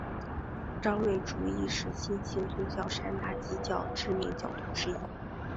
张瑞竹亦是新兴宗教山达基教知名教徒之一。